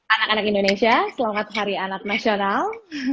anak anak indonesia selamat hari anak nasional